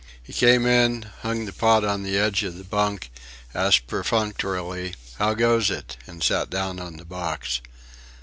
He came in, hung the pot on the edge of the bunk, asked perfunctorily, "How goes it?" and sat down on the box.